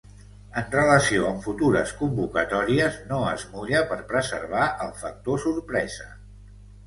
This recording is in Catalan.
En relació amb futures convocatòries, no es mulla per preservar el factor sorpresa.